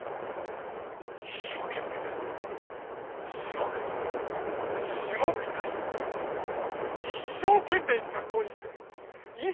すごくすごく大変だけど一生懸命に学校に来て一生懸命。